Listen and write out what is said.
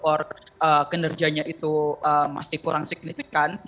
ekspor kinerjanya itu masih kurang signifikan